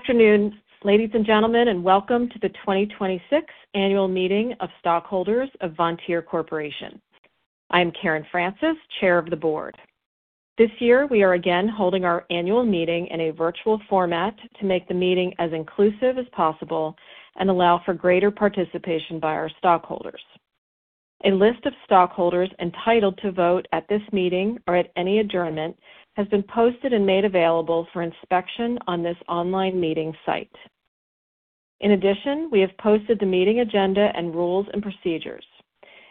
Afternoon, ladies and gentlemen, and welcome to the 2026 Annual Meeting of Stockholders of Vontier Corporation. I'm Karen Francis, chair of the board. This year, we are again holding our annual meeting in a virtual format to make the meeting as inclusive as possible and allow for greater participation by our stockholders. A list of stockholders entitled to vote at this meeting or at any adjournment has been posted and made available for inspection on this online meeting site. In addition, we have posted the meeting agenda and rules and procedures.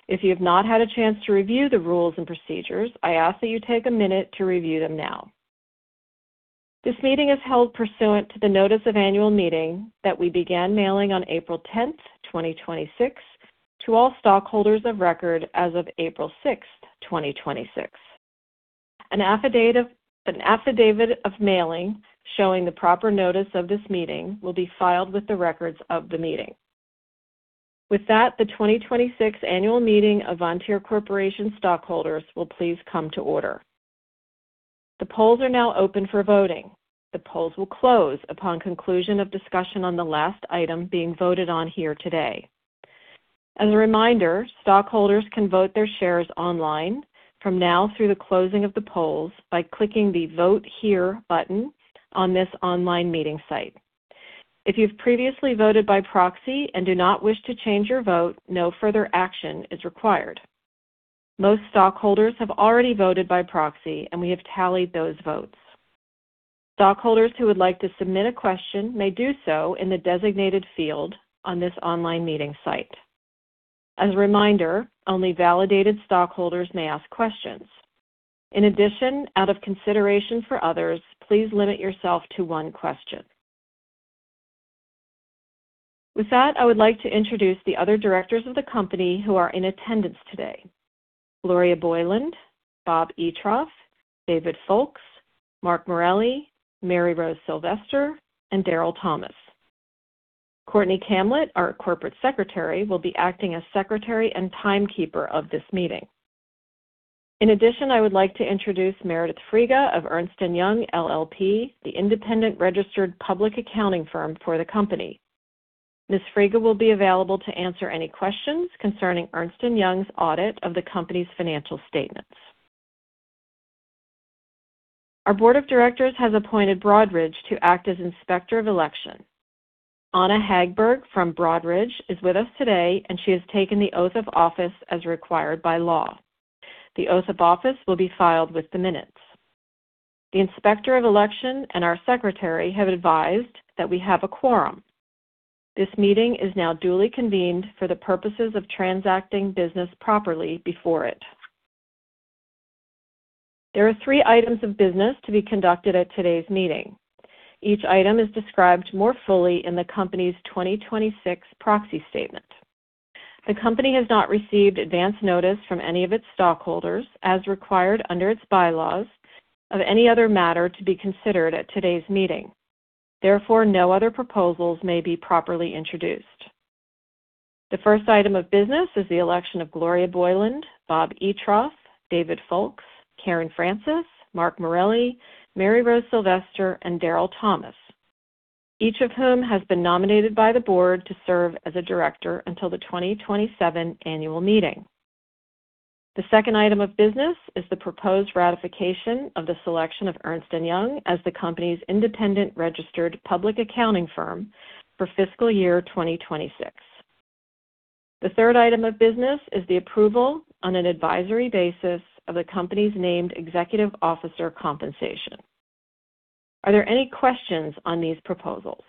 If you have not had a chance to review the rules and procedures, I ask that you take a minute to review them now. This meeting is held pursuant to the notice of annual meeting that we began mailing on April 10th, 2026, to all stockholders of record as of April 6th, 2026. An affidavit of mailing showing the proper notice of this meeting will be filed with the records of the meeting. The 2026 annual meeting of Vontier Corporation stockholders will please come to order. The polls are now open for voting. The polls will close upon conclusion of discussion on the last item being voted on here today. As a reminder, stockholders can vote their shares online from now through the closing of the polls by clicking the Vote Here button on this online meeting site. If you've previously voted by proxy and do not wish to change your vote, no further action is required. Most stockholders have already voted by proxy, and we have tallied those votes. Stockholders who would like to submit a question may do so in the designated field on this online meeting site. As a reminder, only validated stockholders may ask questions. In addition, out of consideration for others, please limit yourself to one question. With that, I would like to introduce the other Directors of the company who are in attendance today. Gloria Boyland, Bob Eatroff, David Foulkes, Mark Morelli, Maryrose Sylvester, and Darrell Thomas. Courtney Kamlet, our corporate secretary, will be acting as secretary and timekeeper of this meeting. In addition, I would like to introduce Meredith Friga of Ernst & Young LLP, the independent registered public accounting firm for the company. Ms. Friga will be available to answer any questions concerning Ernst & Young's audit of the company's financial statements. Our board of directors has appointed Broadridge to act as Inspector of Election. Anna Hagberg from Broadridge is with us today, and she has taken the oath of office as required by law. The oath of office will be filed with the minutes. The Inspector of Election and our secretary have advised that we have a quorum. This meeting is now duly convened for the purposes of transacting business properly before it. There are three items of business to be conducted at today's meeting. Each item is described more fully in the company's 2026 proxy statement. The company has not received advance notice from any of its stockholders, as required under its bylaws, of any other matter to be considered at today's meeting. Therefore, no other proposals may be properly introduced. The first item of business is the election of Gloria Boyland, Bob Eatroff, David Foulkes, Karen Francis, Mark Morelli, Maryrose Sylvester, and Darrell Thomas, each of whom has been nominated by the board to serve as a director until the 2027 annual meeting. The second item of business is the proposed ratification of the selection of Ernst & Young as the company's independent registered public accounting firm for fiscal year 2026. The third item of business is the approval on an advisory basis of the company's named executive officer compensation. Are there any questions on these proposals?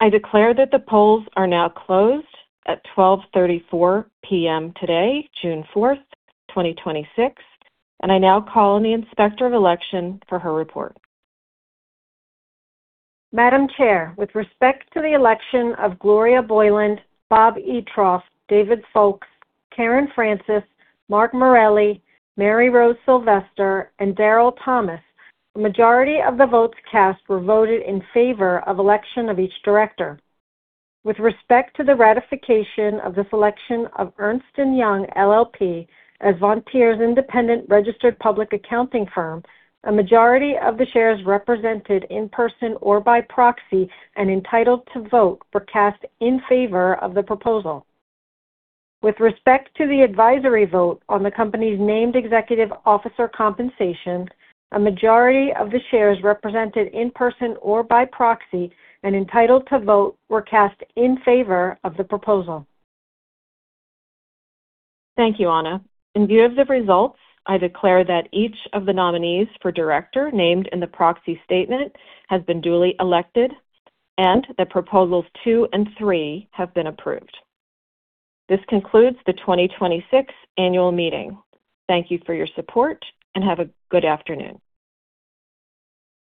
I declare that the polls are now closed at 12:34 P.M. today, June 4th, 2026, and I now call on the Inspector of Election for her report. Madam Chair, with respect to the election of Gloria Boyland, Bob Eatroff, David Foulkes, Karen Francis, Mark Morelli, Maryrose Sylvester, and Darrell Thomas, the majority of the votes cast were voted in favor of election of each director. With respect to the ratification of the selection of Ernst & Young LLP as Vontier's independent registered public accounting firm, a majority of the shares represented in person or by proxy and entitled to vote were cast in favor of the proposal. With respect to the advisory vote on the company's named executive officer compensation, a majority of the shares represented in person or by proxy and entitled to vote were cast in favor of the proposal. Thank you, Anna. In view of the results, I declare that each of the nominees for director named in the proxy statement has been duly elected and that proposals two and three have been approved. This concludes the 2026 annual meeting. Thank you for your support and have a good afternoon.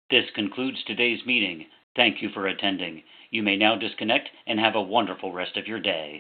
This concludes today's meeting. Thank you for attending. You may now disconnect and have a wonderful rest of your day.